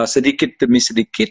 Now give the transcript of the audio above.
sedikit demi sedikit